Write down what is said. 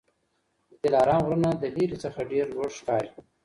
د دلارام غرونه د لیري څخه ډېر لوړ ښکاري